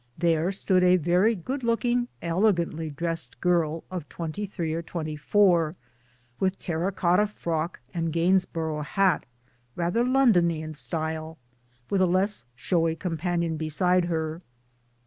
There stood a very good looking elegantly dressed girl of twenty three or twenty four, with terracotta frock and gainsborough hat, rather Londony in style ; with a less showy companion beside her.